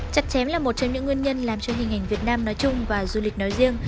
chặt chém là một trong những nguyên nhân làm cho hình ảnh việt nam nói chung và du lịch nói riêng